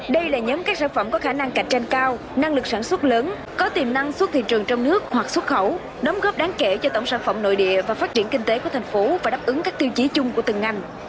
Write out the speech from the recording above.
đây là nhóm các sản phẩm có khả năng cạnh tranh cao năng lực sản xuất lớn có tiềm năng xuất thị trường trong nước hoặc xuất khẩu đóng góp đáng kể cho tổng sản phẩm nội địa và phát triển kinh tế của thành phố và đáp ứng các tiêu chí chung của từng ngành